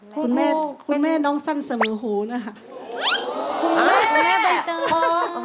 คุณแม่น้องสั้นสมือหูนะครับ